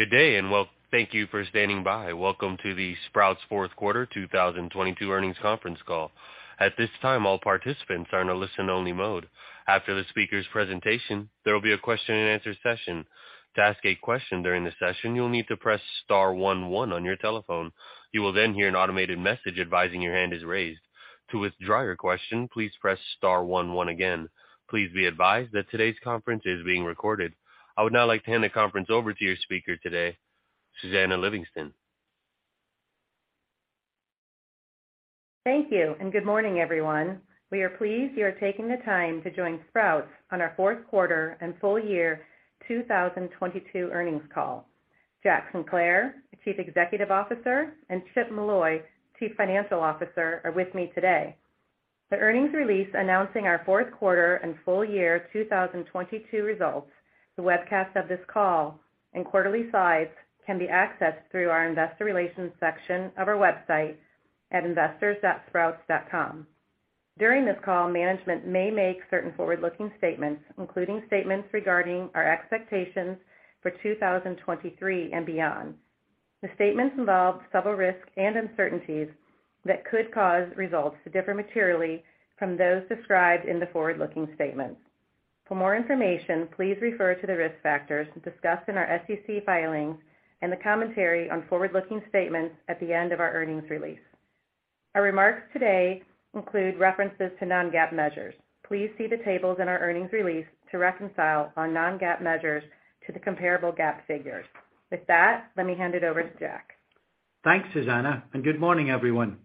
Good day, well, thank you for standing by. Welcome to the Sprouts fourth quarter 2022 earnings conference call. At this time, all participants are in a listen only mode. After the speaker's presentation, there will be a question-and-answer session. To ask a question during the session, you'll need to press star one one on your telephone. You will hear an automated message advising your hand is raised. To withdraw your question, please press star one one again. Please be advised that today's conference is being recorded. I would now like to hand the conference over to your speaker today, Susannah Livingston. Thank you, and good morning, everyone. We are pleased you are taking the time to join Sprouts on our fourth quarter and full year 2022 earnings call. Jack Sinclair, Chief Executive Officer, and Chip Molloy, Chief Financial Officer, are with me today. The earnings release announcing our fourth quarter and full year 2022 results, the webcast of this call and quarterly slides can be accessed through our investor relations section of our website at investors.sprouts.com. During this call, management may make certain forward-looking statements, including statements regarding our expectations for 2023 and beyond. The statements involve several risks and uncertainties that could cause results to differ materially from those described in the forward-looking statements. For more information, please refer to the risk factors discussed in our SEC filings and the commentary on forward-looking statements at the end of our earnings release. Our remarks today include references to non-GAAP measures. Please see the tables in our earnings release to reconcile on non-GAAP measures to the comparable GAAP figures. With that, let me hand it over to Jack. Thanks, Susannah, and good morning, everyone.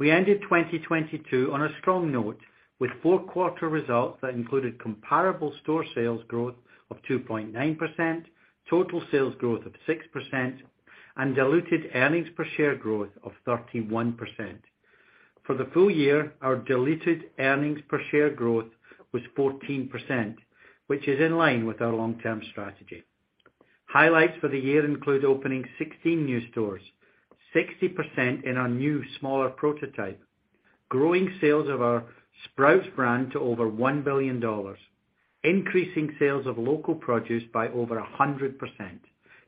We ended 2022 on a strong note with fourth quarter results that included comparable store sales growth of 2.9%, total sales growth of 6%, and diluted earnings per share growth of 31%. For the full year, our diluted earnings per share growth was 14%, which is in line with our long-term strategy. Highlights for the year include opening 16 new stores, 60% in our new smaller prototype, growing sales of our Sprouts brand to over $1 billion, increasing sales of local produce by over 100%,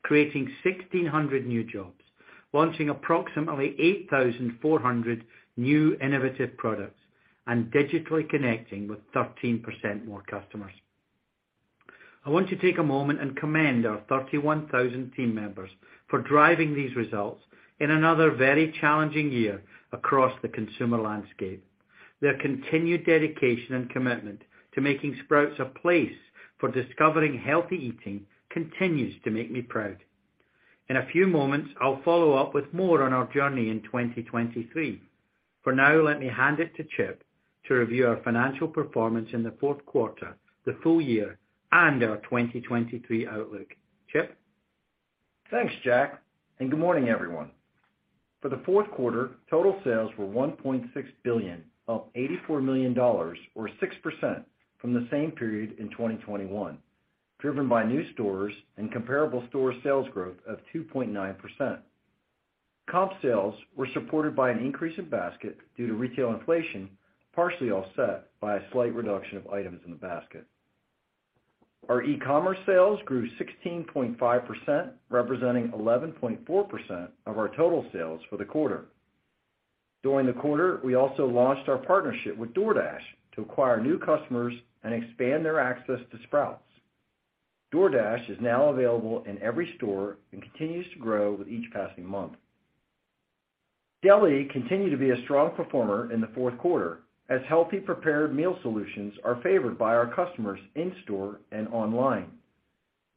creating 1,600 new jobs, launching approximately 8,400 new innovative products, and digitally connecting with 13% more customers. I want to take a moment and commend our 31,000 team members for driving these results in another very challenging year across the consumer landscape. Their continued dedication and commitment to making Sprouts a place for discovering healthy eating continues to make me proud. In a few moments, I'll follow up with more on our journey in 2023. For now, let me hand it to Chip to review our financial performance in the fourth quarter, the full year, and our 2023 outlook. Chip? Thanks, Jack, good morning, everyone. For the fourth quarter, total sales were $1.6 billion, up $84 million or 6% from the same period in 2021, driven by new stores and comparable store sales growth of 2.9%. Comp sales were supported by an increase in basket due to retail inflation, partially offset by a slight reduction of items in the basket. Our e-commerce sales grew 16.5%, representing 11.4% of our total sales for the quarter. During the quarter, we also launched our partnership with DoorDash to acquire new customers and expand their access to Sprouts. DoorDash is now available in every store and continues to grow with each passing month. Deli continued to be a strong performer in the fourth quarter as healthy prepared meal solutions are favored by our customers in store and online.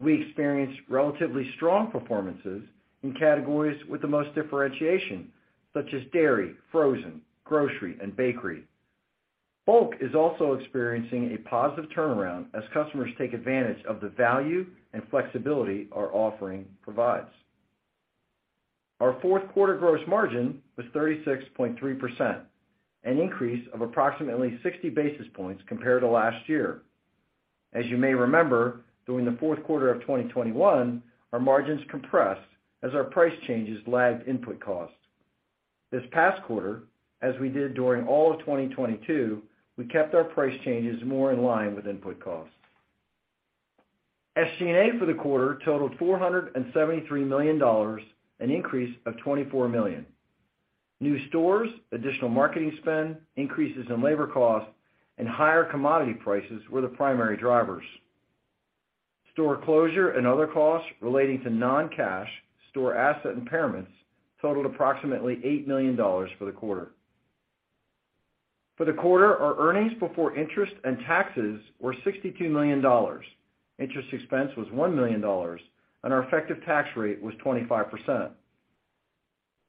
We experienced relatively strong performances in categories with the most differentiation, such as dairy, frozen, grocery, and bakery. Bulk is also experiencing a positive turnaround as customers take advantage of the value and flexibility our offering provides. Our fourth quarter gross margin was 36.3%, an increase of approximately 60 basis points compared to last year. As you may remember, during the fourth quarter of 2021, our margins compressed as our price changes lagged input costs. This past quarter, as we did during all of 2022, we kept our price changes more in line with input costs. SG&A for the quarter totaled $473 million, an increase of $24 million. New stores, additional marketing spend, increases in labor costs, and higher commodity prices were the primary drivers. Store closure and other costs relating to non-cash store asset impairments totaled approximately $8 million for the quarter. For the quarter, our earnings before interest and taxes were $62 million. Interest expense was $1 million, and our effective tax rate was 25%.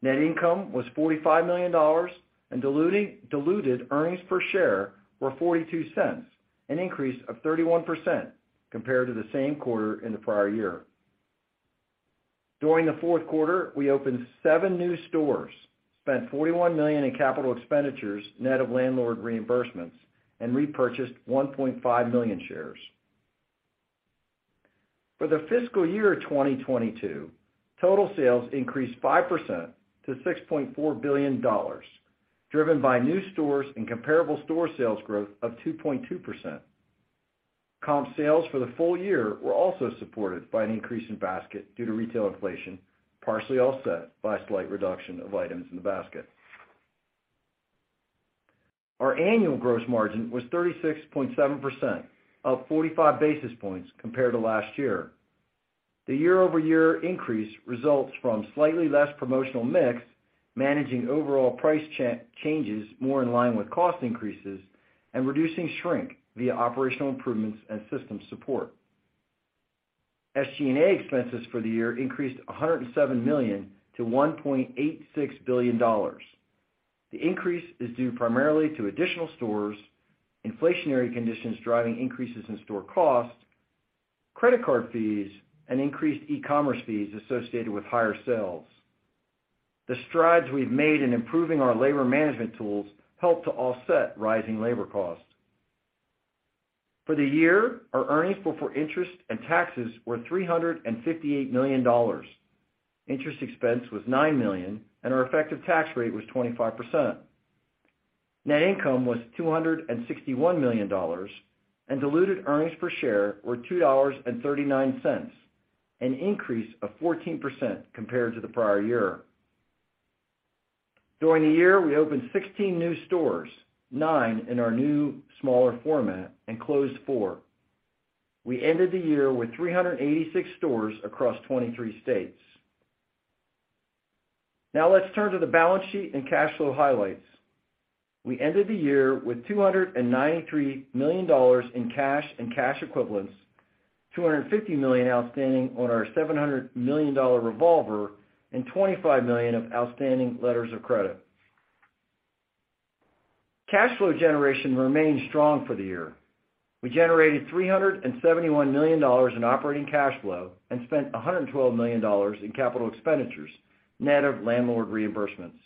Net income was $45 million, and diluted earnings per share were $0.42, an increase of 31% compared to the same quarter in the prior year. During the fourth quarter, we opened 7 new stores, spent $41 million in capital expenditures net of landlord reimbursements, and repurchased 1.5 million shares. For the fiscal year 2022, total sales increased 5% to $6.4 billion, driven by new stores and comparable store sales growth of 2.2%. Comp sales for the full year were also supported by an increase in basket due to retail inflation, partially offset by a slight reduction of items in the basket. Our annual gross margin was 36.7%, up 45 basis points compared to last year. The year-over-year increase results from slightly less promotional mix, managing overall price changes more in line with cost increases, reducing shrink via operational improvements and system support. SG&A expenses for the year increased $107 million to $1.86 billion. The increase is due primarily to additional stores, inflationary conditions driving increases in store costs, credit card fees, and increased e-commerce fees associated with higher sales. The strides we've made in improving our labor management tools helped to offset rising labor costs. For the year, our Earnings Before Interest and Taxes were $358 million. Interest expense was $9 million, and our effective tax rate was 25%. Net income was $261 million, and diluted Earnings Per Share were $2.39, an increase of 14% compared to the prior year. During the year, we opened 16 new stores, nine in our new, smaller format, and closed four. We ended the year with 386 stores across 23 states. Let's turn to the balance sheet and cash flow highlights. We ended the year with $293 million in cash and cash equivalents, $250 million outstanding on our $700 million revolver, and $25 million of outstanding letters of credit. Cash flow generation remained strong for the year. We generated $371 million in operating cash flow and spent $112 million in capital expenditures, net of landlord reimbursements.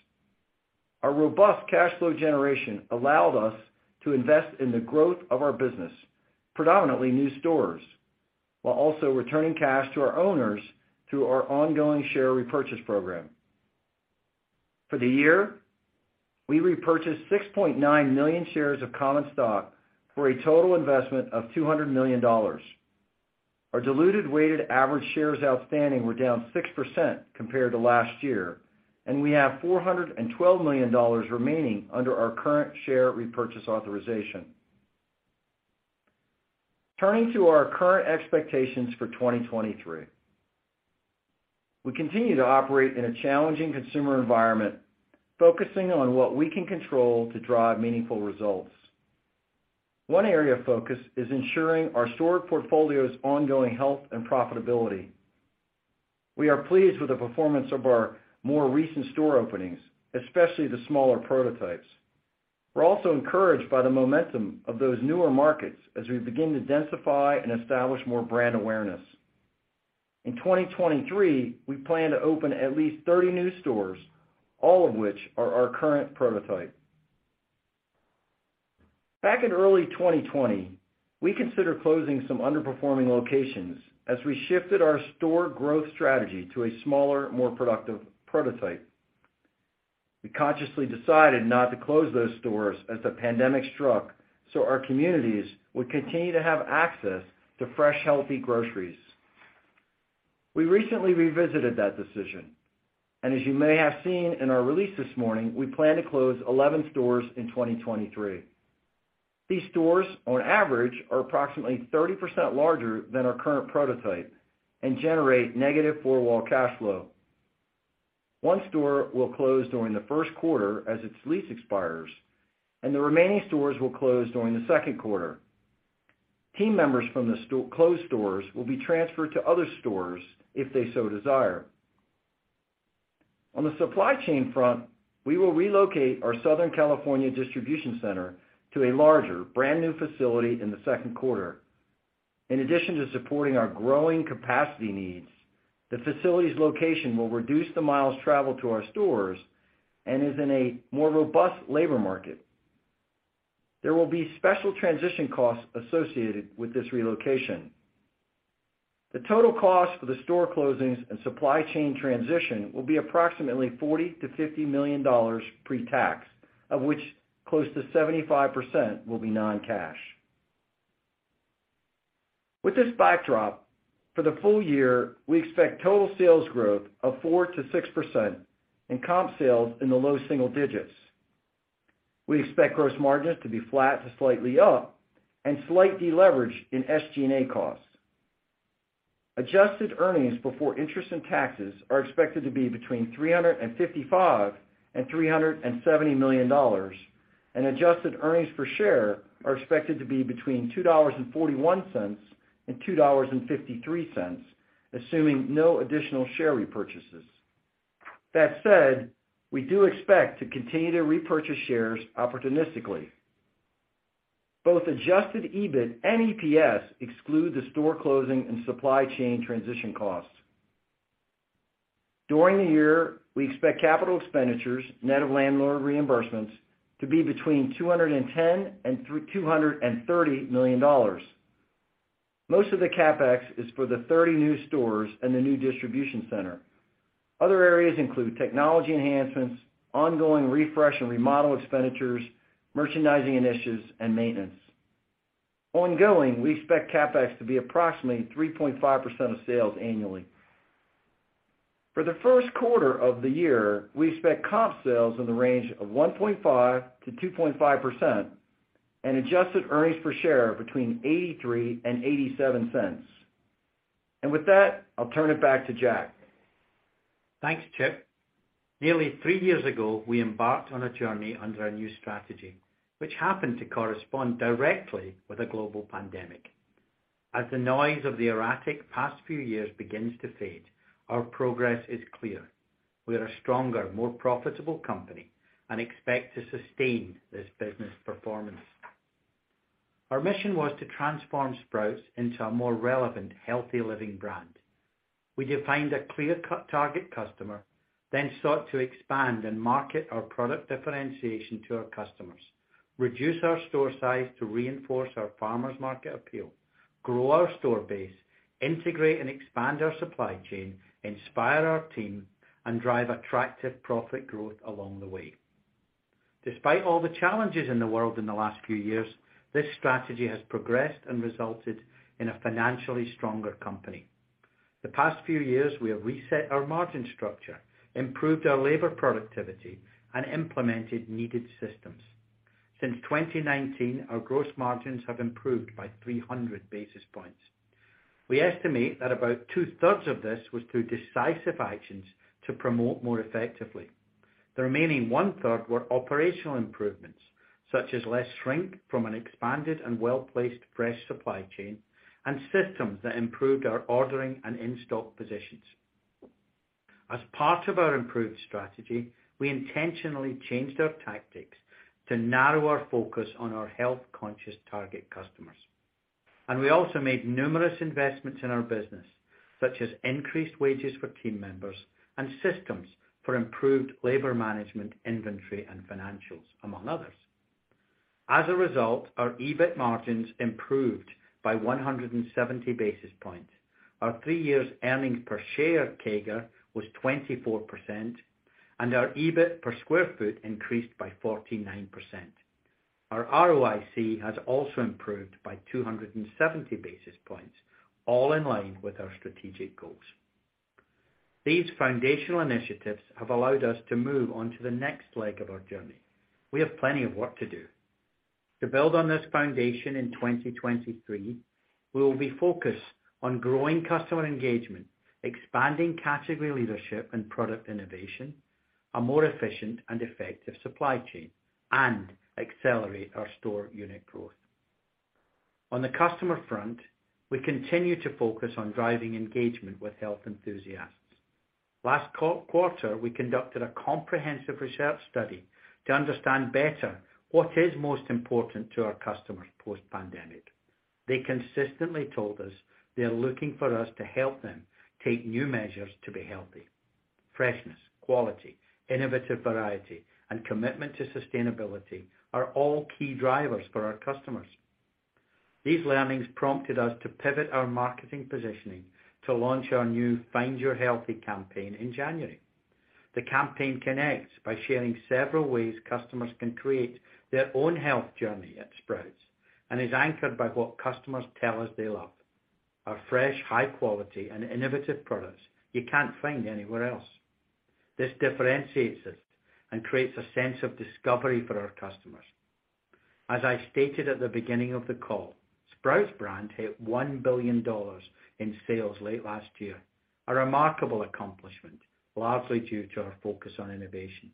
Our robust cash flow generation allowed us to invest in the growth of our business, predominantly new stores, while also returning cash to our owners through our ongoing share repurchase program. For the year, we repurchased 6.9 million shares of common stock for a total investment of $200 million. Our diluted weighted average shares outstanding were down 6% compared to last year. We have $412 million remaining under our current share repurchase authorization. Turning to our current expectations for 2023. We continue to operate in a challenging consumer environment, focusing on what we can control to drive meaningful results. One area of focus is ensuring our store portfolio's ongoing health and profitability. We are pleased with the performance of our more recent store openings, especially the smaller prototypes. We're also encouraged by the momentum of those newer markets as we begin to densify and establish more brand awareness. In 2023, we plan to open at least 30 new stores, all of which are our current prototype. Back in early 2020, we considered closing some underperforming locations as we shifted our store growth strategy to a smaller, more productive prototype. We consciously decided not to close those stores as the pandemic struck so our communities would continue to have access to fresh, healthy groceries. We recently revisited that decision, as you may have seen in our release this morning, we plan to close 11 stores in 2023. These stores, on average, are approximately 30% larger than our current prototype and generate negative four-wall cash flow. One store will close during the first quarter as its lease expires, the remaining stores will close during the second quarter. Team members from the closed stores will be transferred to other stores if they so desire. On the supply chain front, we will relocate our Southern California distribution center to a larger, brand-new facility in the second quarter. In addition to supporting our growing capacity needs, the facility's location will reduce the miles traveled to our stores and is in a more robust labor market. There will be special transition costs associated with this relocation. The total cost for the store closings and supply chain transition will be approximately $40 million-$50 million pre-tax, of which close to 75% will be non-cash. With this backdrop, for the full year, we expect total sales growth of 4%-6% and comp sales in the low single digits. We expect gross margins to be flat to slightly up and slight deleverage in SG&A costs. Adjusted earnings before interest and taxes are expected to be between $355 million and $370 million, and adjusted earnings per share are expected to be between $2.41 and $2.53, assuming no additional share repurchases. That said, we do expect to continue to repurchase shares opportunistically. Both adjusted EBIT and EPS exclude the store closing and supply chain transition costs. During the year, we expect capital expenditures, net of landlord reimbursements, to be between $210 million and $230 million. Most of the CapEx is for the 30 new stores and the new distribution center. Other areas include technology enhancements, ongoing refresh and remodel expenditures, merchandising initiatives, and maintenance. Ongoing, we expect CapEx to be approximately 3.5% of sales annually. For the first quarter of the year, we expect comp sales in the range of 1.5%-2.5%, and adjusted earnings per share between $0.83 and $0.87. With that, I'll turn it back to Jack. Thanks, Chip. Nearly 3 years ago, we embarked on a journey under our new strategy, which happened to correspond directly with a global pandemic. As the noise of the erratic past few years begins to fade, our progress is clear. We are a stronger, more profitable company and expect to sustain this business performance. Our mission was to transform Sprouts into a more relevant, healthy living brand. We defined a clear-cut target customer, then sought to expand and market our product differentiation to our customers, reduce our store size to reinforce our farmers market appeal, grow our store base, integrate and expand our supply chain, inspire our team, and drive attractive profit growth along the way. Despite all the challenges in the world in the last few years, this strategy has progressed and resulted in a financially stronger company. The past few years, we have reset our margin structure, improved our labor productivity, and implemented needed systems. Since 2019, our gross margins have improved by 300 basis points. We estimate that about two-thirds of this was through decisive actions to promote more effectively. The remaining one-third were operational improvements, such as less shrink from an expanded and well-placed fresh supply chain and systems that improved our ordering and in-stock positions. As part of our improved strategy, we intentionally changed our tactics to narrow our focus on our health-conscious target customers. We also made numerous investments in our business, such as increased wages for team members and systems for improved labor management, inventory, and financials, among others. As a result, our EBIT margins improved by 170 basis points. Our 3 years earnings per share CAGR was 24%, our EBIT per sq ft increased by 49%. Our ROIC has also improved by 270 basis points, all in line with our strategic goals. These foundational initiatives have allowed us to move on to the next leg of our journey. We have plenty of work to do. To build on this foundation in 2023, we will be focused on growing customer engagement, expanding category leadership and product innovation, a more efficient and effective supply chain, and accelerate our store unit growth. On the customer front, we continue to focus on driving engagement with health enthusiasts. Last quarter, we conducted a comprehensive research study to understand better what is most important to our customers post-pandemic. They consistently told us they are looking for us to help them take new measures to be healthy. Freshness, quality, innovative variety, and commitment to sustainability are all key drivers for our customers. These learnings prompted us to pivot our marketing positioning to launch our new Find Your Healthy campaign in January. The campaign connects by sharing several ways customers can create their own health journey at Sprouts and is anchored by what customers tell us they love, our fresh, high quality, and innovative products you can't find anywhere else. This differentiates us and creates a sense of discovery for our customers. As I stated at the beginning of the call, Sprouts brand hit $1 billion in sales late last year, a remarkable accomplishment, largely due to our focus on innovation.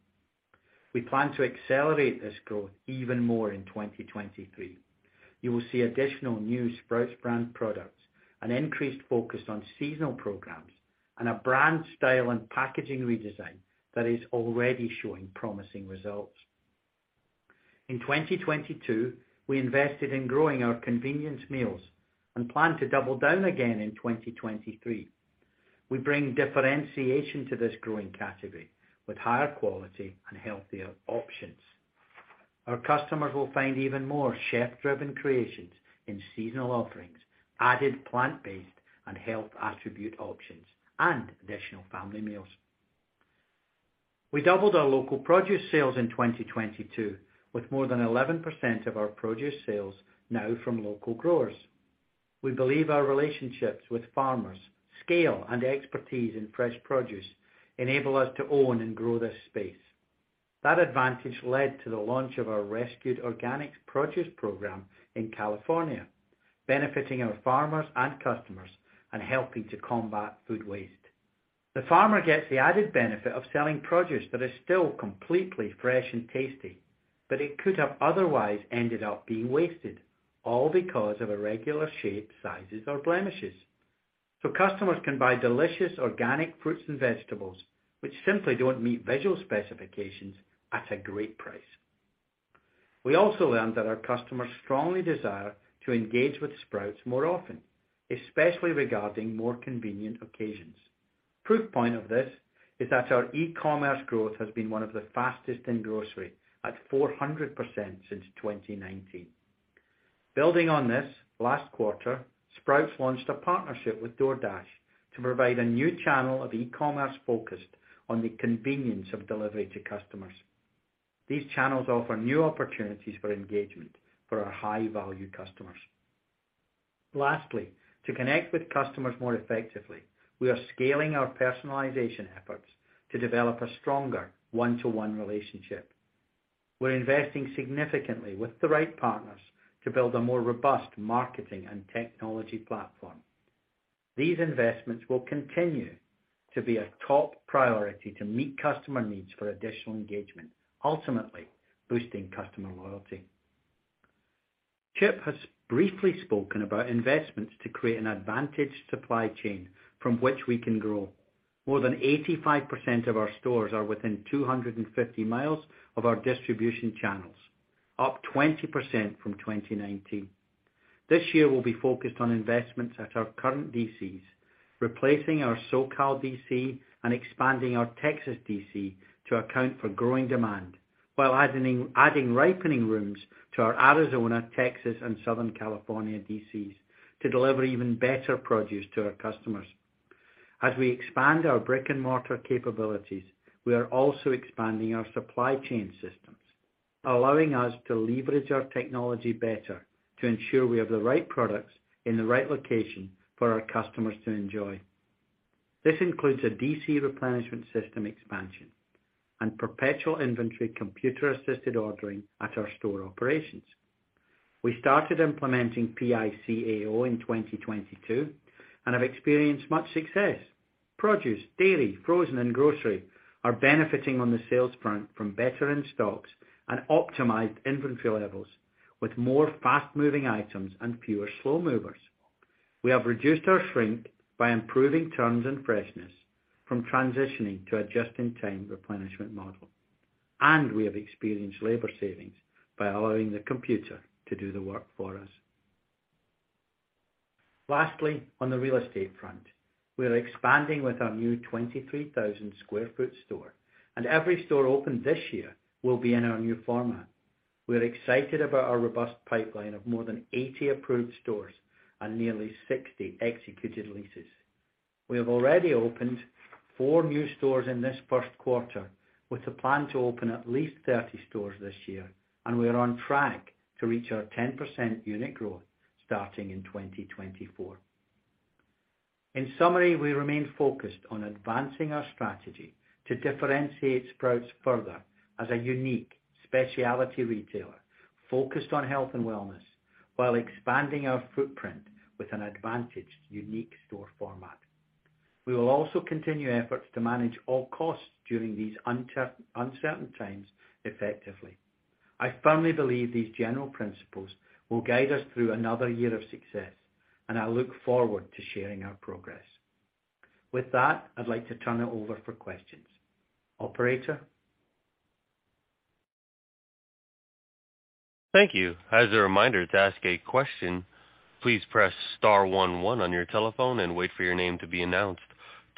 We plan to accelerate this growth even more in 2023. You will see additional new Sprouts brand products, an increased focus on seasonal programs, and a brand style and packaging redesign that is already showing promising results. In 2022, we invested in growing our convenience meals and plan to double down again in 2023. We bring differentiation to this growing category with higher quality and healthier options. Our customers will find even more chef-driven creations in seasonal offerings, added plant-based and health attribute options, and additional family meals. We doubled our local produce sales in 2022 with more than 11% of our produce sales now from local growers. We believe our relationships with farmers, scale, and expertise in fresh produce enable us to own and grow this space. That advantage led to the launch of our Rescued Organics produce program in California, benefiting our farmers and customers and helping to combat food waste. The farmer gets the added benefit of selling produce that is still completely fresh and tasty, but it could have otherwise ended up being wasted, all because of irregular shape, sizes, or blemishes. Customers can buy delicious organic fruits and vegetables which simply don't meet visual specifications at a great price. We also learned that our customers strongly desire to engage with Sprouts more often, especially regarding more convenient occasions. Proof point of this is that our e-commerce growth has been one of the fastest in grocery at 400% since 2019. Building on this, last quarter, Sprouts launched a partnership with DoorDash to provide a new channel of e-commerce focused on the convenience of delivery to customers. These channels offer new opportunities for engagement for our high value customers. Lastly, to connect with customers more effectively, we are scaling our personalization efforts to develop a stronger one-to-one relationship. We're investing significantly with the right partners to build a more robust marketing and technology platform. These investments will continue to be a top priority to meet customer needs for additional engagement, ultimately boosting customer loyalty. Chip has briefly spoken about investments to create an advantage supply chain from which we can grow. More than 85% of our stores are within 250 miles of our distribution channels, up 20% from 2019. This year will be focused on investments at our current DCs, replacing our SoCal DC and expanding our Texas DC to account for growing demand, while adding ripening rooms to our Arizona, Texas and Southern California DCs to deliver even better produce to our customers. As we expand our brick-and-mortar capabilities, we are also expanding our supply chain systems, allowing us to leverage our technology better to ensure we have the right products in the right location for our customers to enjoy. This includes a DC replenishment system expansion and perpetual inventory computer-assisted ordering at our store operations. We started implementing PICAO in 2022 and have experienced much success. Produce, dairy, frozen, and grocery are benefiting on the sales front from better in-stocks and optimized inventory levels with more fast-moving items and fewer slow movers. We have reduced our shrink by improving turns and freshness from transitioning to a just-in-time replenishment model. We have experienced labor savings by allowing the computer to do the work for us. Lastly, on the real estate front, we are expanding with our new 23,000 sq ft store, and every store opened this year will be in our new format. We're excited about our robust pipeline of more than 80 approved stores and nearly 60 executed leases. We have already opened four new stores in this first quarter with a plan to open at least 30 stores this year, and we are on track to reach our 10% unit growth starting in 2024. In summary, we remain focused on advancing our strategy to differentiate Sprouts further as a unique specialty retailer focused on health and wellness while expanding our footprint with an advantaged unique store format. We will also continue efforts to manage all costs during these uncertain times effectively. I firmly believe these general principles will guide us through another year of success, and I look forward to sharing our progress. With that, I'd like to turn it over for questions. Operator? Thank you. As a reminder, to ask a question, please press star one one on your telephone and wait for your name to be announced.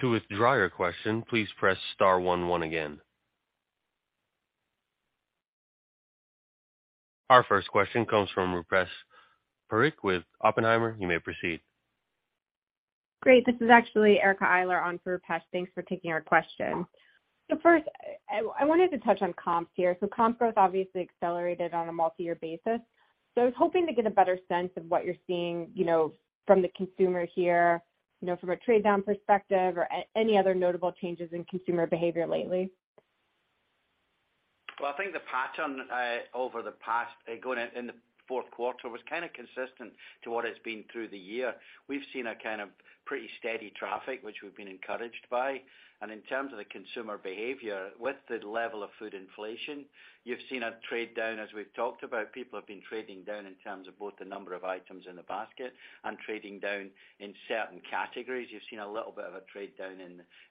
To withdraw your question, please press star one one again. Our first question comes from Rupesh Parikh with Oppenheimer. You may proceed. Great. This is actually Erica Eiler on for Rupesh. Thanks for taking our question. First, I wanted to touch on comps here. Comp growth obviously accelerated on a multi-year basis. I was hoping to get a better sense of what you're seeing, you know, from the consumer here, you know, from a trade down perspective or any other notable changes in consumer behavior lately. Well, I think the pattern, over the past, going in the fourth quarter was kind of consistent to what it's been through the year. We've seen a kind of pretty steady traffic, which we've been encouraged by. In terms of the consumer behavior, with the level of food inflation, you've seen a trade down, as we've talked about. People have been trading down in terms of both the number of items in the basket and trading down in certain categories. You've seen a little bit of a trade down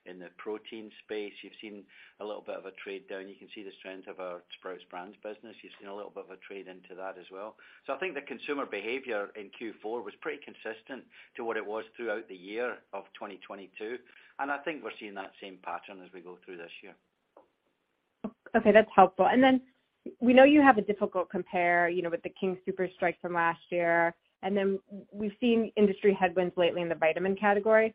in the protein space. You've seen a little bit of a trade down. You can see the strength of our Sprouts brand business. You've seen a little bit of a trade into that as well. I think the consumer behavior in Q4 was pretty consistent to what it was throughout the year of 2022, and I think we're seeing that same pattern as we go through this year. Okay, that's helpful. We know you have a difficult compare, you know, with the King Soopers strike from last year, and then we've seen industry headwinds lately in the vitamin category.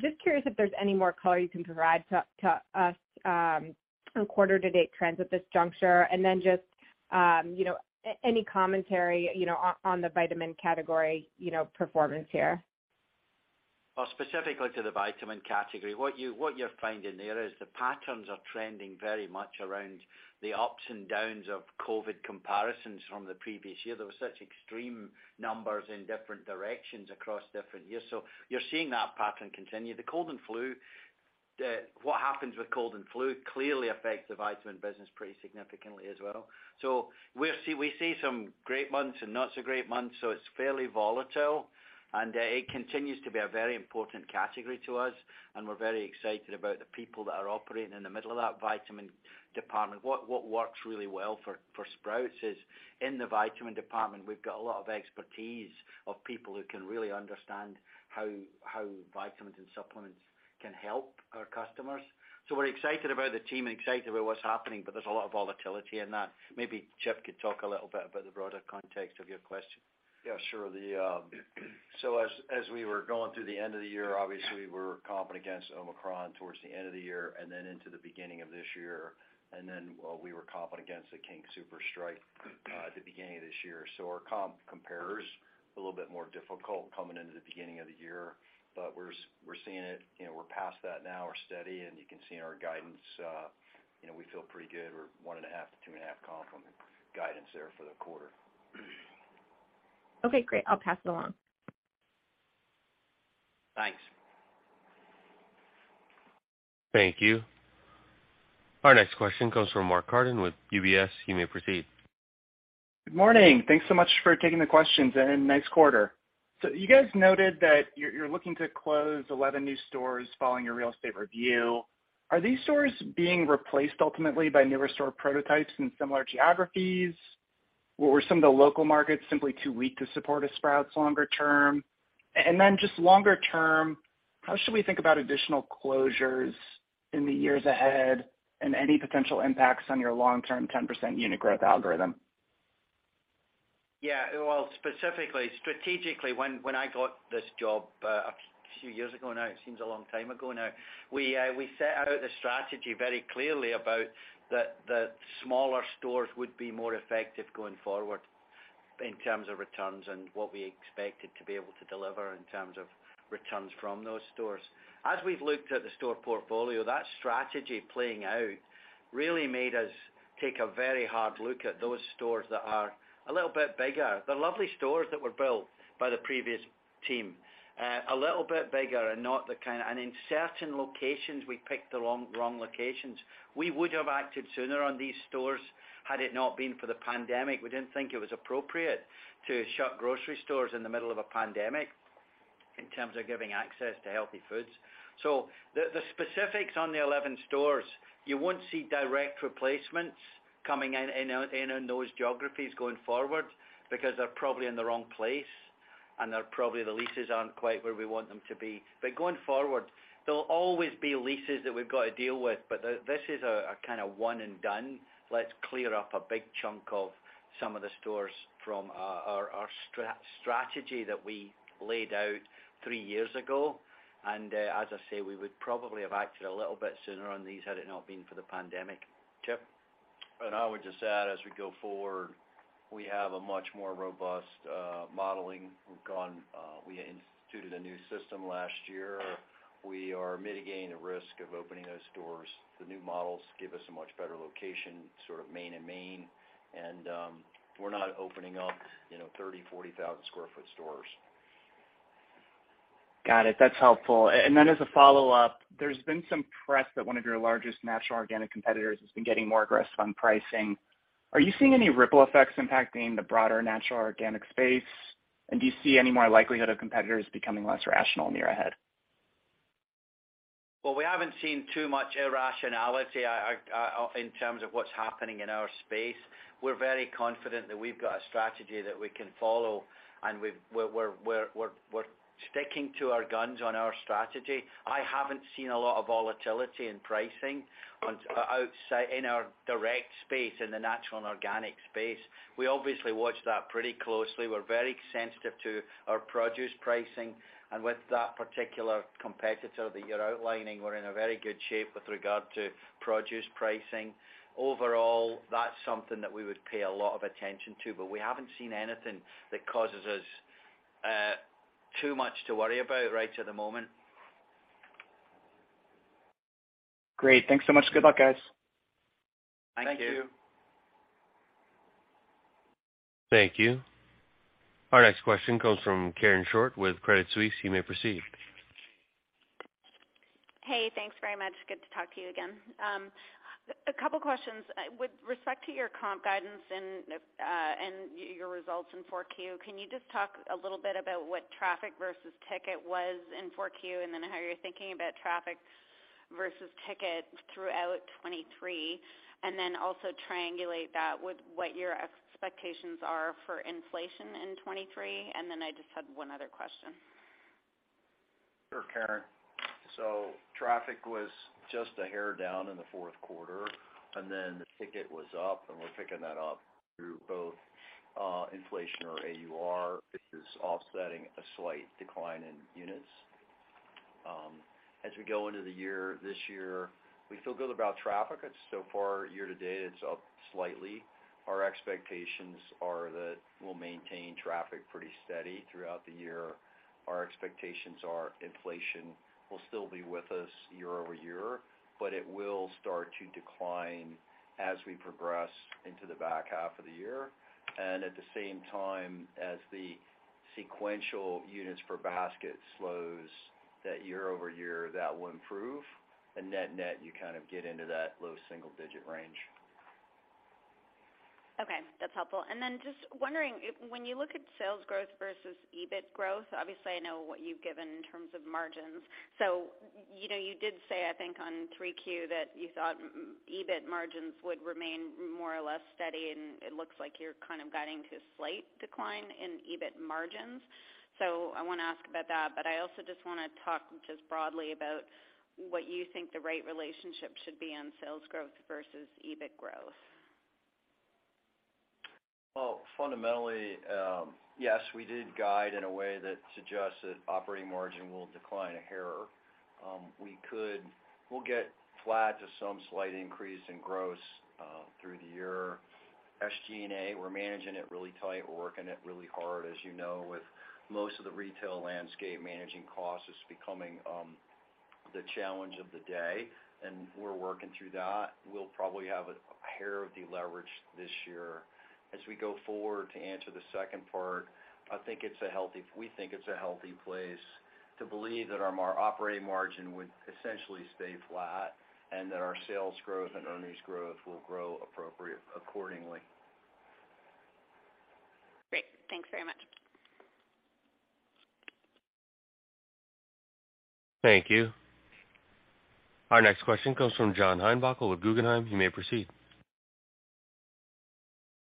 Just curious if there's any more color you can provide to us, on quarter to date trends at this juncture, and then just, you know, any commentary, you know, on the vitamin category, you know, performance here. Specifically to the vitamin category, what you're finding there is the patterns are trending very much around the ups and downs of COVID comparisons from the previous year. There was such extreme numbers in different directions across different years. You're seeing that pattern continue. The cold and flu, what happens with cold and flu clearly affects the vitamin business pretty significantly as well. we see some great months and not so great months, so it's fairly volatile and it continues to be a very important category to us and we're very excited about the people that are operating in the middle of that vitamin department. What works really well for Sprouts is in the vitamin department, we've got a lot of expertise of people who can really understand how vitamins and supplements can help our customers. we're excited about the team and excited about what's happening, but there's a lot of volatility in that. Maybe Chip Molloy could talk a little bit about the broader context of your question. Yeah, sure. As we were going through the end of the year, obviously we were comping against Omicron towards the end of the year and then into the beginning of this year. We were comping against the King Soopers Strike at the beginning of this year. Our comp compares a little bit more difficult coming into the beginning of the year, but we're seeing it, you know, we're past that now. We're steady and you can see in our guidance, you know, we feel pretty good. We're 1.5%-2.5% comp from the guidance there for the quarter. Okay, great. I'll pass it along. Thanks. Thank you. Our next question comes from Mark Carden with UBS. You may proceed. Good morning. Thanks so much for taking the questions and nice quarter. You guys noted that you're looking to close 11 new stores following your real estate review. Are these stores being replaced ultimately by newer store prototypes in similar geographies? Or were some of the local markets simply too weak to support a Sprouts longer term? Just longer term, how should we think about additional closures in the years ahead and any potential impacts on your long-term 10% unit growth algorithm? Yeah. Well, specifically, strategically, when I got this job a few years ago now, it seems a long time ago now, we set out the strategy very clearly about that smaller stores would be more effective going forward in terms of returns and what we expected to be able to deliver in terms of returns from those stores. As we've looked at the store portfolio, that strategy playing out really made us take a very hard look at those stores that are a little bit bigger. They're lovely stores that were built by the previous team, a little bit bigger and not the kind. In certain locations, we picked the wrong locations. We would have acted sooner on these stores had it not been for the pandemic. We didn't think it was appropriate to shut grocery stores in the middle of a pandemic in terms of giving access to healthy foods. The specifics on the 11 stores, you won't see direct replacements coming in those geographies going forward because they're probably in the wrong place and they're probably the leases aren't quite where we want them to be. Going forward, there'll always be leases that we've got to deal with, but this is a kinda one and done. Let's clear up a big chunk of some of the stores from our strategy that we laid out 3 years ago. As I say, we would probably have acted a little bit sooner on these had it not been for the pandemic. Chip? I would just add, as we go forward, we have a much more robust modeling. We've gone, we instituted a new system last year. We are mitigating the risk of opening those stores. The new models give us a much better location, sort of main and main. We're not opening up, you know, 30,000-40,000 square foot stores. Got it. That's helpful. As a follow-up, there's been some press that one of your largest natural organic competitors has been getting more aggressive on pricing. Are you seeing any ripple effects impacting the broader natural organic space? Do you see any more likelihood of competitors becoming less rational in the year ahead? Well, we haven't seen too much irrationality in terms of what's happening in our space. We're very confident that we've got a strategy that we can follow and we're sticking to our guns on our strategy. I haven't seen a lot of volatility in pricing in our direct space, in the natural and organic space. We obviously watch that pretty closely. We're very sensitive to our produce pricing and with that particular competitor that you're outlining, we're in a very good shape with regard to produce pricing. Overall, that's something that we would pay a lot of attention to, but we haven't seen anything that causes us too much to worry about right at the moment. Great. Thanks so much. Good luck, guys. Thank you. Thank you. Thank you. Our next question comes from Karen Short with Credit Suisse. You may proceed. Hey, thanks very much. Good to talk to you again. A couple of questions. With respect to your comp guidance and your results in Q4, can you just talk a little bit about what traffic versus ticket was in Q4 and then how you're thinking about traffic versus ticket throughout 23? Also triangulate that with what your expectations are for inflation in 23. I just had one other question. Sure, Karen. Traffic was just a hair down in the fourth quarter, and then the ticket was up and we're picking that up through both inflation or AUR, which is offsetting a slight decline in units. As we go into the year this year, we feel good about traffic. Far year to date, it's up slightly. Our expectations are that we'll maintain traffic pretty steady throughout the year. Our expectations are inflation will still be with us year over year, but it will start to decline as we progress into the back half of the year. At the same time as the. sequential units per basket slows that year-over-year that will improve and net-net, you kind of get into that low single digit range. Okay, that's helpful. Then just wondering if when you look at sales growth versus EBIT growth, obviously, I know what you've given in terms of margins. You know, you did say, I think on 3Q that you thought EBIT margins would remain more or less steady, and it looks like you're kind of guiding to slight decline in EBIT margins. I wanna ask about that, but I also just wanna talk just broadly about what you think the right relationship should be on sales growth versus EBIT growth. Fundamentally, yes, we did guide in a way that suggests that operating margin will decline a hair. We'll get flat to some slight increase in gross through the year. SG&A, we're managing it really tight. We're working it really hard, as you know, with most of the retail landscape, managing costs is becoming the challenge of the day, and we're working through that. We'll probably have a hair of deleverage this year. We go forward to answer the second part, I think it's a healthy we think it's a healthy place to believe that our operating margin would essentially stay flat and that our sales growth and earnings growth will grow appropriate accordingly. Great. Thanks very much. Thank you. Our next question comes from John Heinbockel with Guggenheim. You may proceed.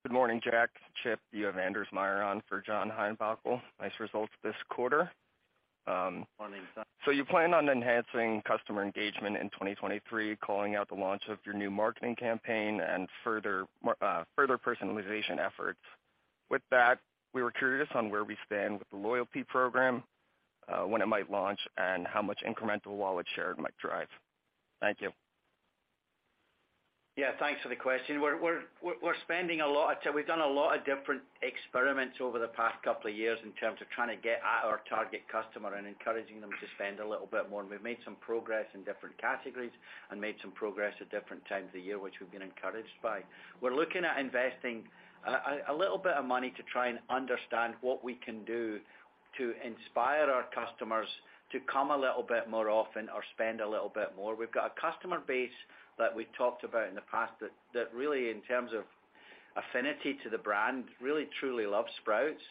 Good morning, Jack, Chip. You have Anders Myhre on for John Heinbockel. Nice results this quarter. Morning, sir. You plan on enhancing customer engagement in 2023, calling out the launch of your new marketing campaign and further personalization efforts. With that, we were curious on where we stand with the loyalty program, when it might launch, and how much incremental wallet share it might drive. Thank you. Yeah, thanks for the question. We're spending a lot of we've done a lot of different experiments over the past couple of years in terms of trying to get at our target customer and encouraging them to spend a little bit more. We've made some progress in different categories and made some progress at different times of the year, which we've been encouraged by. We're looking at investing a little bit of money to try and understand what we can do to inspire our customers to come a little bit more often or spend a little bit more. We've got a customer base that we've talked about in the past that really in terms of affinity to the brand, really truly love Sprouts.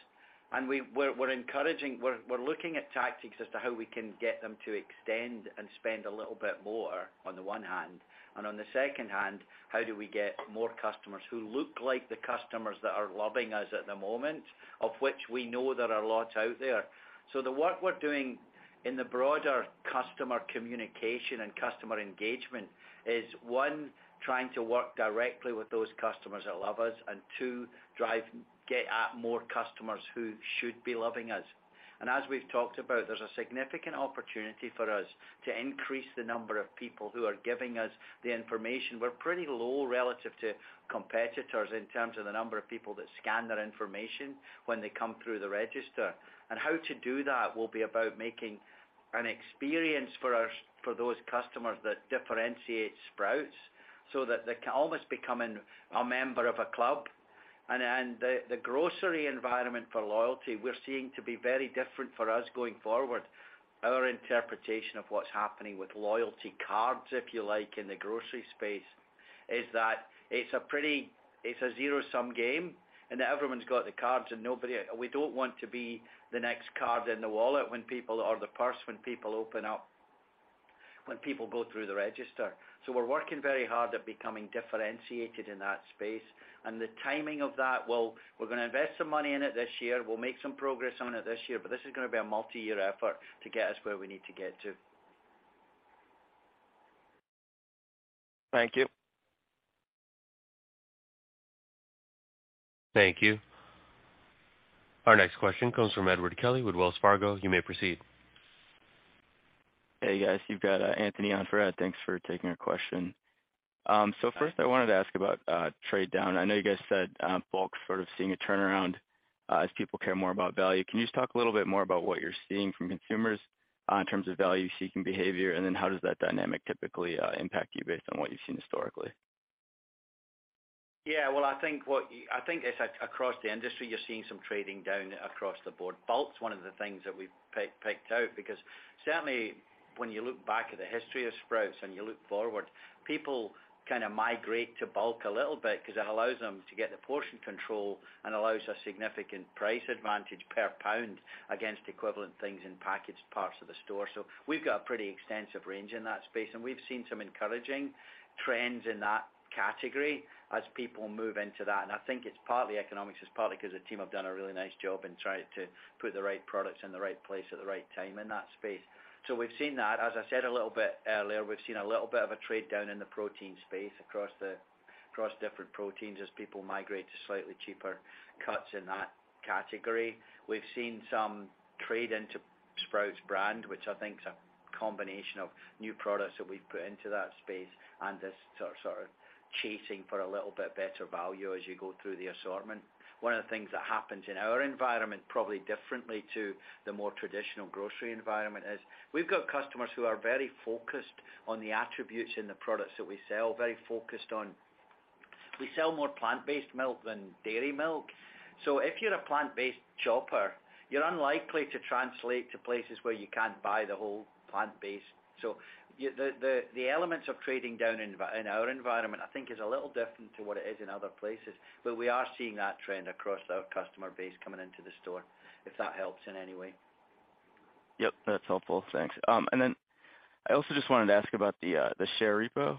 We're encouraging, we're looking at tactics as to how we can get them to extend and spend a little bit more, on the one hand. On the second hand, how do we get more customers who look like the customers that are loving us at the moment, of which we know there are lots out there. The work we're doing in the broader customer communication and customer engagement is, one, trying to work directly with those customers that love us, and two, get at more customers who should be loving us. As we've talked about, there's a significant opportunity for us to increase the number of people who are giving us the information. We're pretty low relative to competitors in terms of the number of people that scan their information when they come through the register. How to do that will be about making an experience for us, for those customers that differentiate Sprouts so that they can almost become a member of a club. The grocery environment for loyalty, we're seeing to be very different for us going forward. Our interpretation of what's happening with loyalty cards, if you like, in the grocery space, is that it's a pretty, it's a zero-sum game, and everyone's got the cards and nobody. We don't want to be the next card in the wallet when people or the purse, when people open up, when people go through the register. We're working very hard at becoming differentiated in that space. The timing of that, well, we're gonna invest some money in it this year. We'll make some progress on it this year, but this is gonna be a multi-year effort to get us where we need to get to. Thank you. Thank you. Our next question comes from Edward Kelly with Wells Fargo. You may proceed. Hey, guys. You've got Anthony on for Edward Kelly. Thanks for taking our question. First I wanted to ask about trade down. I know you guys said bulk sort of seeing a turnaround as people care more about value. Can you just talk a little bit more about what you're seeing from consumers in terms of value-seeking behavior? How does that dynamic typically impact you based on what you've seen historically? Yeah. Well, I think as across the industry, you're seeing some trading down across the board. Bulk's one of the things that we've picked out because certainly when you look back at the history of Sprouts and you look forward, people kinda migrate to bulk a little bit because it allows them to get the portion control and allows a significant price advantage per pound against equivalent things in packaged parts of the store. We've got a pretty extensive range in that space, and we've seen some encouraging trends in that category as people move into that. I think it's partly economics. It's partly because the team have done a really nice job in trying to put the right products in the right place at the right time in that space. We've seen that. As I said a little bit earlier, we've seen a little bit of a trade-down in the protein space across different proteins as people migrate to slightly cheaper cuts in that category. We've seen some trade into Sprouts Brand, which I think is a combination of new products that we've put into that space and just sort of chasing for a little bit better value as you go through the assortment. One of the things that happens in our environment, probably differently to the more traditional grocery environment, is we've got customers who are very focused on the attributes in the products that we sell, very focused on. We sell more plant-based milk than dairy milk. If you're a plant-based shopper, you're unlikely to translate to places where you can't buy the whole plant-based. The elements of trading down in our environment, I think is a little different to what it is in other places, but we are seeing that trend across our customer base coming into the store, if that helps in any way. Yep, that's helpful. Thanks. I also just wanted to ask about the share repo.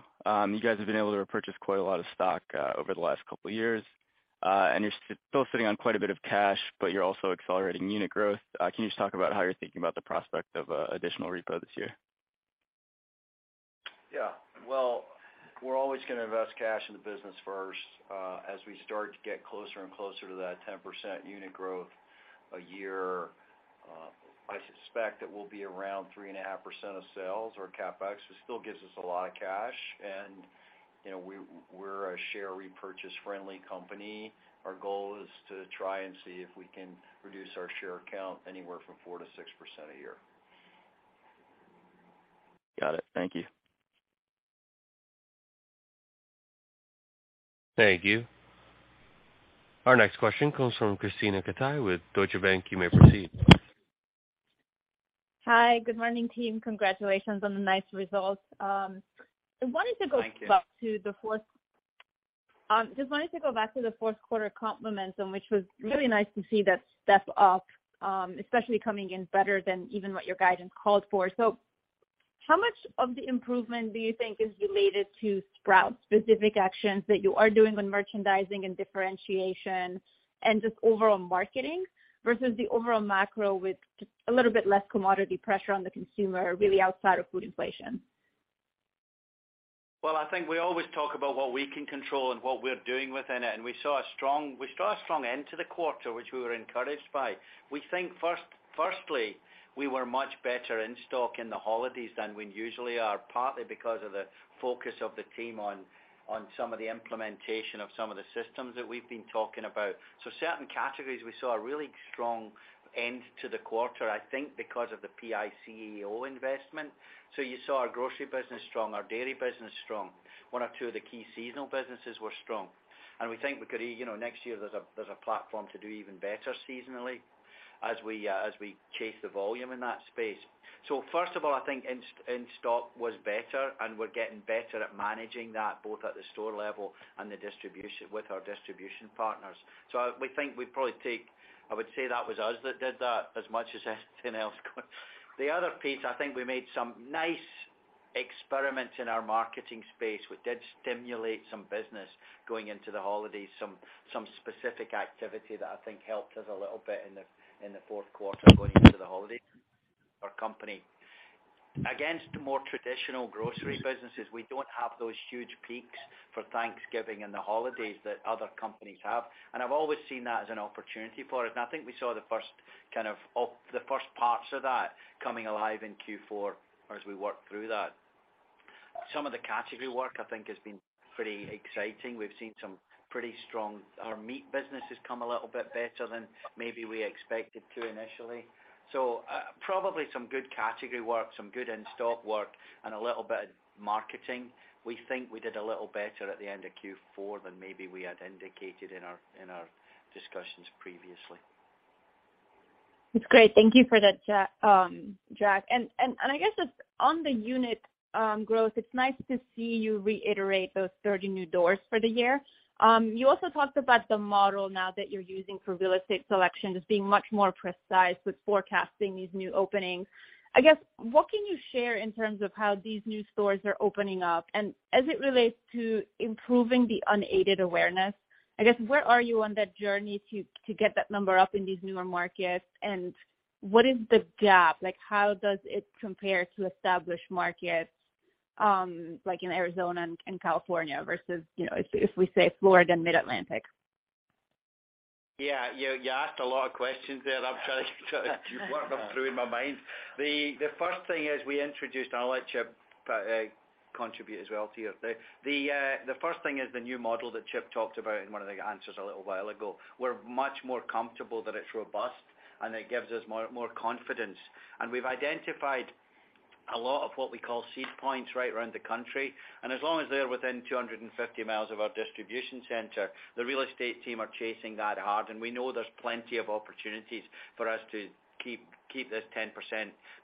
You guys have been able to repurchase quite a lot of stock over the last couple years. You're still sitting on quite a bit of cash, but you're also accelerating unit growth. Can you just talk about how you're thinking about the prospect of additional repo this year? Yeah. Well, we're always gonna invest cash in the business first. As we start to get closer and closer to that 10% unit growth a year, I suspect it will be around 3.5% of sales or CapEx. It still gives us a lot of cash. You know, we're a share repurchase friendly company. Our goal is to try and see if we can reduce our share count anywhere from 4%-6% a year. Got it. Thank you. Thank you. Our next question comes from Krisztina Katai with Deutsche Bank. You may proceed. Hi, good morning, team. Congratulations on the nice results. I wanted to. Thank you. Just wanted to go back to the fourth quarter complementum, which was really nice to see that step up, especially coming in better than even what your guidance called for. How much of the improvement do you think is related to Sprouts specific actions that you are doing on merchandising and differentiation and just overall marketing versus the overall macro with just a little bit less commodity pressure on the consumer, really outside of food inflation? I think we always talk about what we can control and what we're doing within it. We saw a strong end to the quarter, which we were encouraged by. We think firstly, we were much better in stock in the holidays than we usually are, partly because of the focus of the team on some of the implementation of some of the systems that we've been talking about. Certain categories, we saw a really strong end to the quarter, I think because of the PICAO investment. You saw our grocery business strong, our dairy business strong. One or two of the key seasonal businesses were strong. We think we could, you know, next year there's a platform to do even better seasonally as we chase the volume in that space. First of all, I think in-stock was better, and we're getting better at managing that, both at the store level and the distribution with our distribution partners. We think we probably take. I would say that was us that did that as much as anything else. The other piece, I think we made some nice experiments in our marketing space. We did stimulate some business going into the holidays, some specific activity that I think helped us a little bit in the fourth quarter going into the holidays our company. Against more traditional grocery businesses, we don't have those huge peaks for Thanksgiving and the holidays that other companies have, and I've always seen that as an opportunity for it. I think we saw the first parts of that coming alive in Q4 as we work through that. Some of the category work, I think, has been pretty exciting. We've seen some pretty strong. Our meat business has come a little bit better than maybe we expected to initially. Probably some good category work, some good in-stock work, and a little bit of marketing. We think we did a little better at the end of Q4 than maybe we had indicated in our, in our discussions previously. It's great. Thank you for that, Jack. I guess just on the unit growth, it's nice to see you reiterate those 30 new doors for the year. You also talked about the model now that you're using for real estate selection as being much more precise with forecasting these new openings. I guess what can you share in terms of how these new stores are opening up? As it relates to improving the unaided awareness, I guess, where are you on that journey to get that number up in these newer markets? What is the gap? Like, how does it compare to established markets, like in Arizona and California versus, you know, if we say Florida and Mid-Atlantic? Yeah. You asked a lot of questions there. I'm trying to work them through in my mind. The first thing is we introduced, and I'll let Chip contribute as well to you. The first thing is the new model that Chip talked about in one of the answers a little while ago. We're much more comfortable that it's robust and it gives us more confidence. We've identified a lot of what we call seed points right around the country. As long as they're within 250 miles of our distribution center, the real estate team are chasing that hard. We know there's plenty of opportunities for us to keep this 10%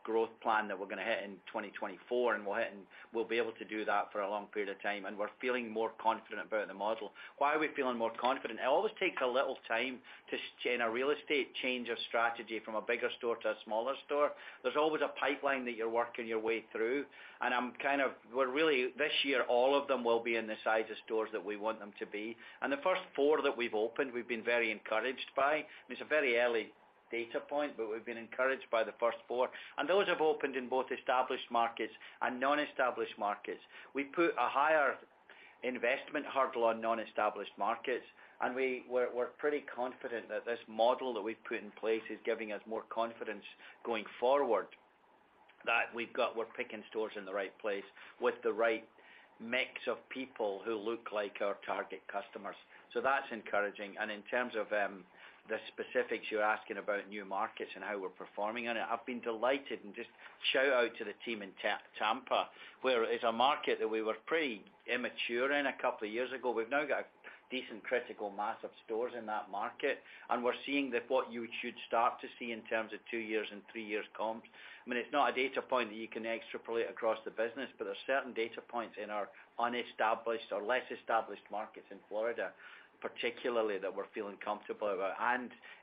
growth plan that we're gonna hit in 2024, and we'll hit and we'll be able to do that for a long period of time. We're feeling more confident about the model. Why are we feeling more confident? It always takes a little time to in a real estate change of strategy from a bigger store to a smaller store. There's always a pipeline that you're working your way through, we're really, this year, all of them will be in the size of stores that we want them to be. The first 4 that we've opened, we've been very encouraged by. It's a very early data point, but we've been encouraged by the first 4. Those have opened in both established markets and non-established markets. We put a higher investment hurdle on non-established markets, we're pretty confident that this model that we've put in place is giving us more confidence going forward, we're picking stores in the right place with the right mix of people who look like our target customers. That's encouraging. In terms of the specifics, you're asking about new markets and how we're performing on it. I've been delighted and just shout out to the team in Tampa. It's a market that we were pretty immature in a couple of years ago, we've now got a decent critical mass of stores in that market, and we're seeing that what you should start to see in terms of two years and three years comps. I mean, it's not a data point that you can extrapolate across the business, but there's certain data points in our unestablished or less established markets in Florida, particularly that we're feeling comfortable about.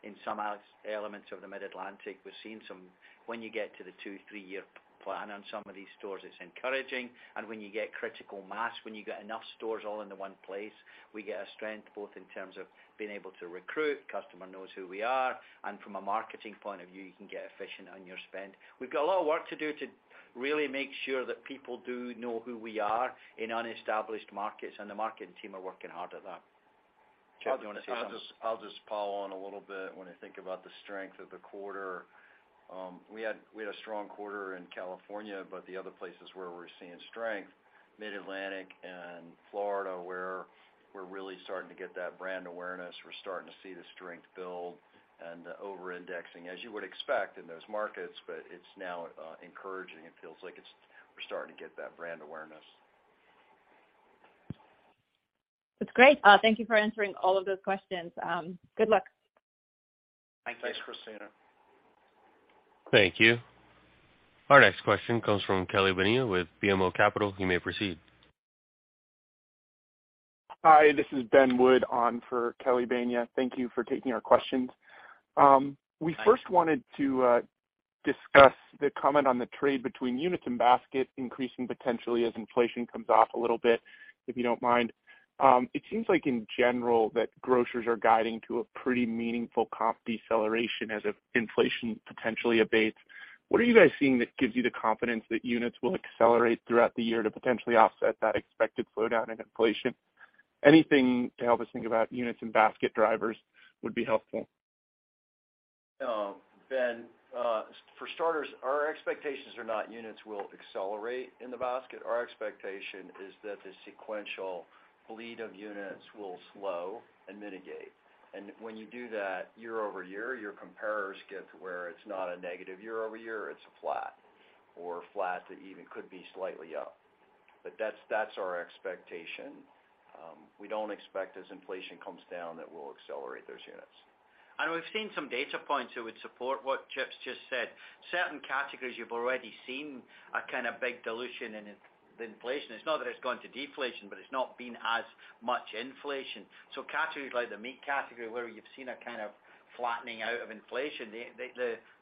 In some elements of the Mid-Atlantic, we're seeing some. When you get to the two, three-year plan on some of these stores, it's encouraging. When you get critical mass, when you get enough stores all into one place, we get a strength both in terms of being able to recruit, customer knows who we are, and from a marketing point of view, you can get efficient on your spend. We've got a lot of work to do to really make sure that people do know who we are in unestablished markets, and the marketing team are working hard at that. Chip, do you wanna say something? I'll just follow on a little bit when I think about the strength of the quarter. We had a strong quarter in California, but the other places where we're seeing strength, Mid-Atlantic and Florida, where we're really starting to get that brand awareness, we're starting to see the strength build and the over-indexing, as you would expect in those markets, but it's now encouraging. It feels like it's we're starting to get that brand awareness. That's great. Thank you for answering all of those questions. Good luck. Thank you. Thanks, Krisztina. Thank you. Our next question comes from Kelly Bania with BMO Capital. You may proceed. Hi, this is Ben Wood on for Kelly Bania. Thank you for taking our questions. Thanks. We first wanted to discuss the comment on the trade between units and basket increasing potentially as inflation comes off a little bit, if you don't mind. It seems like in general that grocers are guiding to a pretty meaningful comp deceleration as if inflation potentially abates. What are you guys seeing that gives you the confidence that units will accelerate throughout the year to potentially offset that expected slowdown in inflation? Anything to help us think about units and basket drivers would be helpful. Ben, for starters, our expectations are not units will accelerate in the basket. Our expectation is that the sequential bleed of units will slow and mitigate. When you do that year-over-year, your comparers get to where it's not a negative year-over-year, it's a flat or flat to even could be slightly up. That's, that's our expectation. We don't expect as inflation comes down, that we'll accelerate those units. We've seen some data points that would support what Chip's just said. Certain categories you've already seen a kinda big dilution in inflation. It's not that it's gone to deflation, but it's not been as much inflation. Categories like the meat category, where you've seen a kind of flattening out of inflation,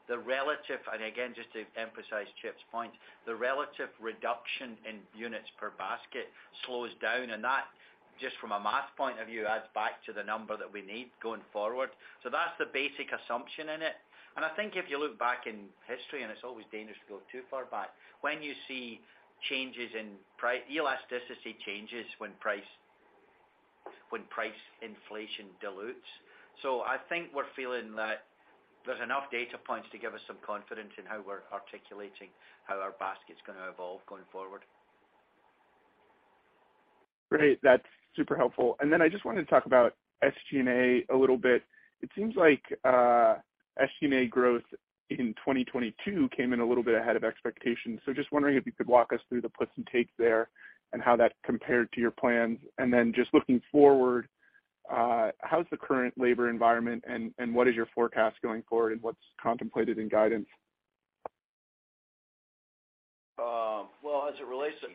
the relative and again, just to emphasize Chip's point, the relative reduction in units per basket slows down. That, just from a math point of view, adds back to the number that we need going forward. That's the basic assumption in it. I think if you look back in history, and it's always dangerous to go too far back, when you see changes in elasticity changes when price inflation dilutes. I think we're feeling that there's enough data points to give us some confidence in how we're articulating how our basket's going to evolve going forward. Great. That's super helpful. I just wanted to talk about SG&A a little bit. It seems like SG&A growth in 2022 came in a little bit ahead of expectations. Just wondering if you could walk us through the puts and takes there and how that compared to your plans. Just looking forward, how's the current labor environment and what is your forecast going forward and what's contemplated in guidance? Well, as it relates to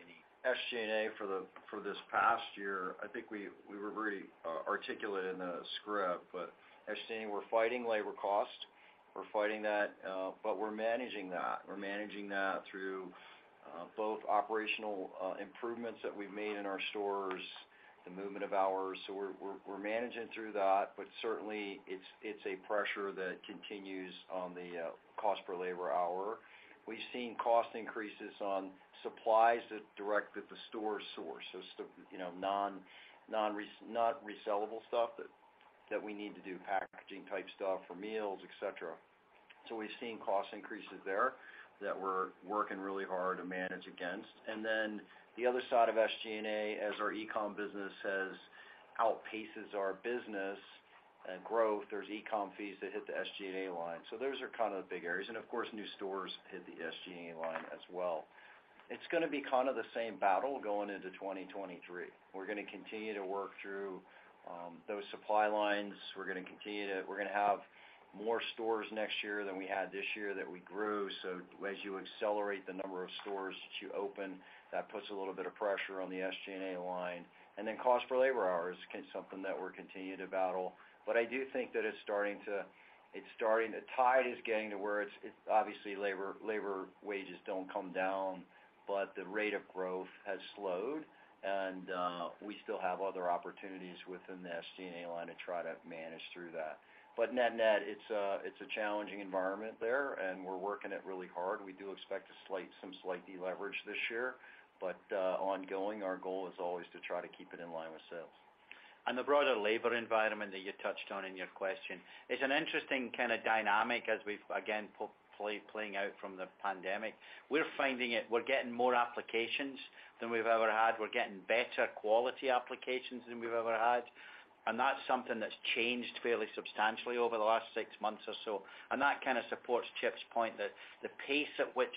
SG&A for this past year, I think we were very articulate in the script. SG&A, we're fighting labor costs. We're fighting that, but we're managing that. We're managing that through both operational improvements that we've made in our stores, the movement of hours. We're managing through that, but certainly, it's a pressure that continues on the cost per labor hour. We've seen cost increases on supplies that direct at the store source. You know, non-resalable stuff that we need to do packaging type stuff for meals, et cetera. We've seen cost increases there that we're working really hard to manage against. The other side of SG&A, as our e-com business outpaces our business and growth, there's e-com fees that hit the SG&A line. Those are kind of the big areas. New stores hit the SG&A line as well. It's gonna be kind of the same battle going into 2023. We're gonna continue to work through those supply lines. We're gonna have more stores next year than we had this year that we grew. As you accelerate the number of stores that you open, that puts a little bit of pressure on the SG&A line. Cost for labor hours something that we're continuing to battle. I do think that it's starting. The tide is getting to where it's obviously labor wages don't come down, but the rate of growth has slowed and we still have other opportunities within the SG&A line to try to manage through that. Net-net, it's a challenging environment there, and we're working it really hard. We do expect some slight deleverage this year, but ongoing, our goal is always to try to keep it in line with sales. On the broader labor environment that you touched on in your question, it's an interesting kind of dynamic as we've again, playing out from the pandemic. We're getting more applications than we've ever had. We're getting better quality applications than we've ever had. That's something that's changed fairly substantially over the last six months or so. That kind of supports Chip's point that the pace at which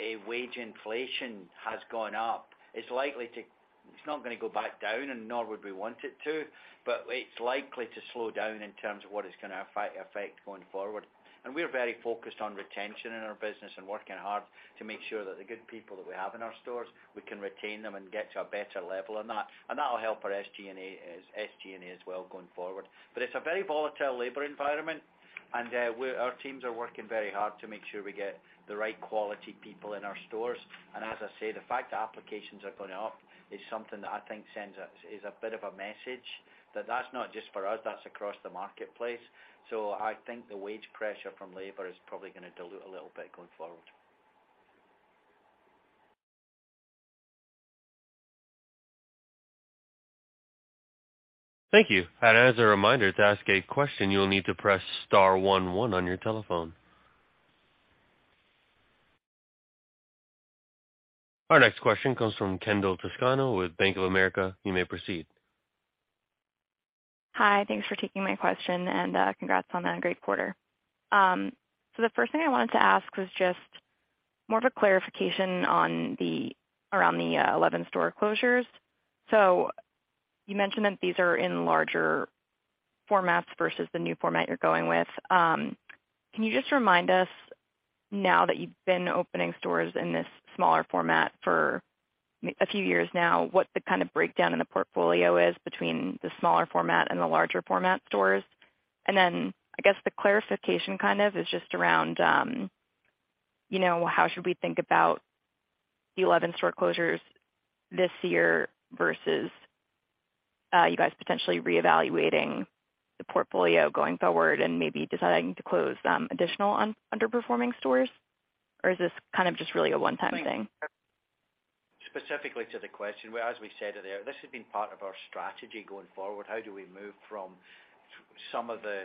a wage inflation has gone up is likely to, it's not gonna go back down and nor would we want it to, but it's likely to slow down in terms of what it's gonna affect going forward. We're very focused on retention in our business and working hard to make sure that the good people that we have in our stores, we can retain them and get to a better level on that. That'll help our SG&A as well going forward. It's a very volatile labor environment, and our teams are working very hard to make sure we get the right quality people in our stores. As I say, the fact applications are going up is something that I think sends a bit of a message that that's not just for us, that's across the marketplace. I think the wage pressure from labor is probably gonna dilute a little bit going forward. Thank you. As a reminder, to ask a question, you'll need to press star one one on your telephone. Our next question comes from Kendall Toscano with Bank of America. You may proceed. Hi. Thanks for taking my question. Congrats on that great quarter. The first thing I wanted to ask was just more of a clarification around the 11 store closures. You mentioned that these are in larger formats versus the new format you're going with. Can you just remind us, now that you've been opening stores in this smaller format for a few years now, what the kind of breakdown in the portfolio is between the smaller format and the larger format stores? Then I guess the clarification kind of is just around, you know, how should we think about the 11 store closures this year versus you guys potentially reevaluating the portfolio going forward and maybe deciding to close additional underperforming stores? Is this kind of just really a one-time thing? Specifically to the question, well, as we said earlier, this has been part of our strategy going forward. How do we move from some of the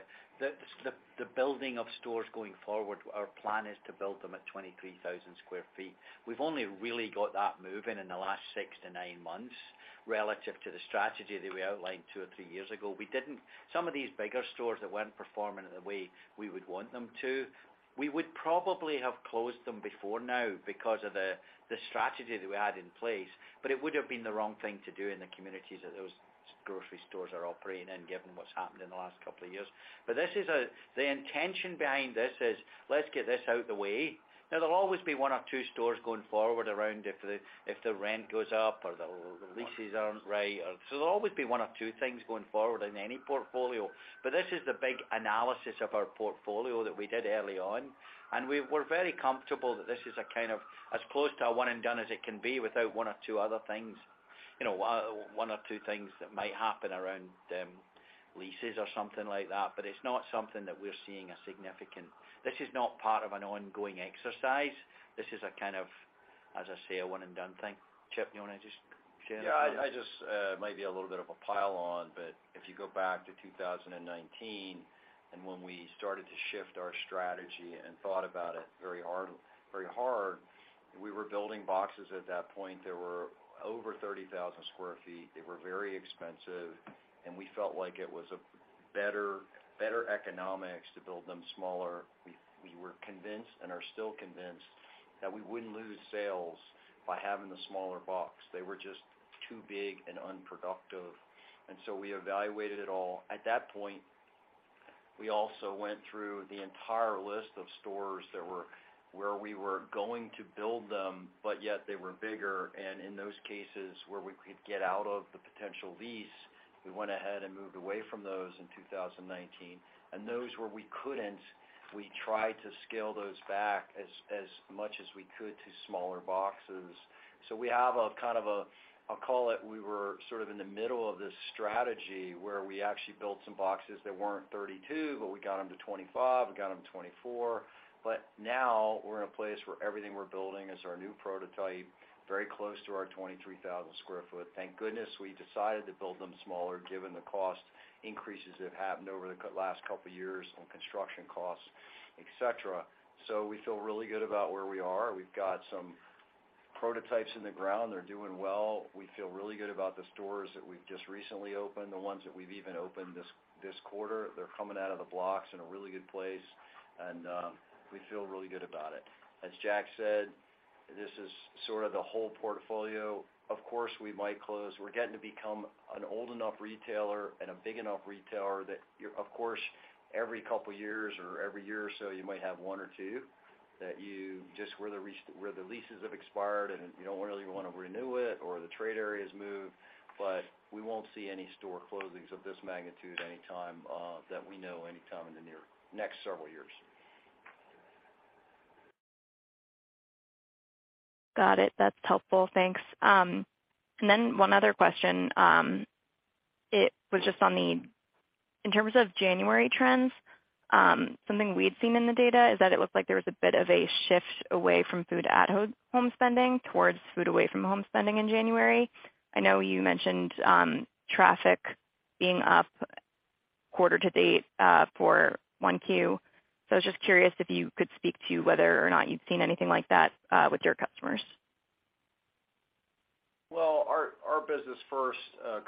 building of stores going forward, our plan is to build them at 23,000 sq ft. We've only really got that moving in the last six to nine months relative to the strategy that we outlined two or three years ago. Some of these bigger stores that weren't performing in the way we would want them to, we would probably have closed them before now because of the strategy that we had in place, but it would have been the wrong thing to do in the communities that those grocery stores are operating in, given what's happened in the last couple of years. The intention behind this is, let's get this out the way. There'll always be one or two stores going forward around if the rent goes up or the leases aren't right. There'll always be one or two things going forward in any portfolio. This is the big analysis of our portfolio that we did early on, and we're very comfortable that this is a kind of as close to a one and done as it can be without one or two other things, you know, one or two things that might happen around leases or something like that. It's not something that we're seeing. This is not part of an ongoing exercise. This is a kind of, as I say, a one and done thing. Chip, you wanna just share that one? Yeah. I just, might be a little bit of a pile on, but if you go back to 2019 and when we started to shift our strategy and thought about it very hard, we were building boxes at that point that were over 30,000 sq ft. They were very expensive, and we felt like it was better economics to build them smaller. We were convinced and are still convinced that we wouldn't lose sales by having the smaller box. They were just too big and unproductive. We evaluated it all. At that point, we also went through the entire list of stores that were where we were going to build them, but yet they were bigger. In those cases where we could get out of the potential lease, we went ahead and moved away from those in 2019. Those where we couldn't, we tried to scale those back as much as we could to smaller boxes. We have a kind of a, I'll call it, we were sort of in the middle of this strategy where we actually built some boxes that weren't 32, but we got them to 25, we got them to 24. Now we're in a place where everything we're building is our new prototype, very close to our 23,000 sq ft. Thank goodness we decided to build them smaller, given the cost increases that have happened over the last couple of years on construction costs, et cetera. We feel really good about where we are. We've got some prototypes in the ground. They're doing well. We feel really good about the stores that we've just recently opened, the ones that we've even opened this quarter. They're coming out of the blocks in a really good place. We feel really good about it. As Jack said, this is sort of the whole portfolio. Of course, we might close. We're getting to become an old enough retailer and a big enough retailer that of course, every 2 years or every year or so, you might have 1 or 2 that you just where the leases have expired and you don't really wanna renew it or the trade areas move. We won't see any store closings of this magnitude anytime that we know anytime in the next several years. Got it. That's helpful. Thanks. Then one other question, it was just In terms of January trends, something we'd seen in the data is that it looked like there was a bit of a shift away from food at home spending towards food away from home spending in January. I know you mentioned, traffic being up Quarter to date, for 1 Q. I was just curious if you could speak to whether or not you'd seen anything like that with your customers. Our business first,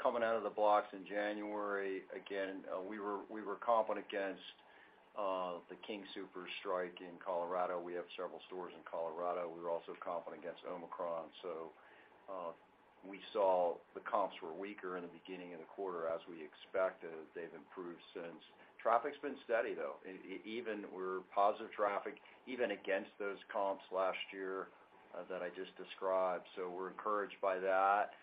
coming out of the blocks in January, again, we were comping against the King Soopers strike in Colorado. We have several stores in Colorado. We were also comping against Omicron. We saw the comps were weaker in the beginning of the quarter as we expected. They've improved since. Traffic's been steady, though. Even we're positive traffic, even against those comps last year that I just described. We're encouraged by that.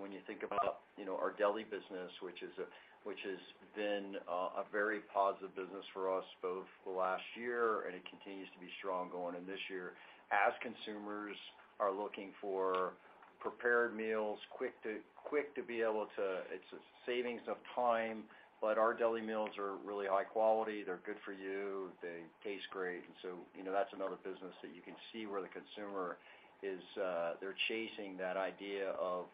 When you think about, you know, our deli business, which has been a very positive business for us both last year and it continues to be strong going in this year, as consumers are looking for prepared meals, quick to be able to... It's a savings of time, but our deli meals are really high quality. They're good for you. They taste great. You know, that's another business that you can see where the consumer is, they're chasing that idea of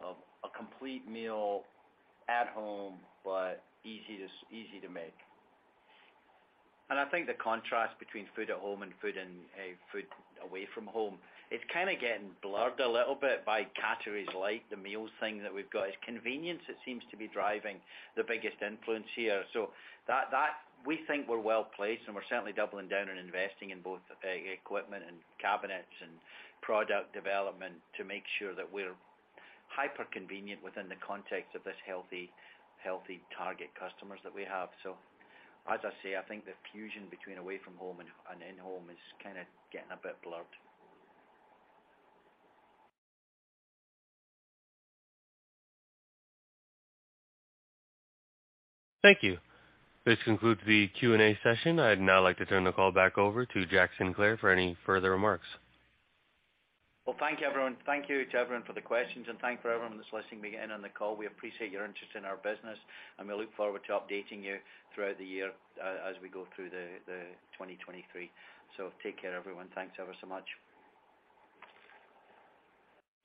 a complete meal at home, but easy to make. I think the contrast between food at home and food in, food away from home, it's kinda getting blurred a little bit by categories like the meals thing that we've got. It's convenience that seems to be driving the biggest influence here. We think we're well-placed, and we're certainly doubling down on investing in both equipment and cabinets and product development to make sure that we're hyper convenient within the context of this healthy target customers that we have. As I say, I think the fusion between away from home and in home is kinda getting a bit blurred. Thank you. This concludes the Q&A session. I'd now like to turn the call back over to Jack Sinclair for any further remarks. Well, thank you, everyone. Thank you to everyone for the questions, and thank you for everyone that's listening beginning on the call. We appreciate your interest in our business, and we look forward to updating you throughout the year, as we go through the 2023. Take care, everyone. Thanks ever so much.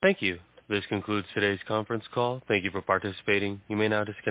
Thank you. This concludes today's conference call. Thank you for participating. You may now disconnect.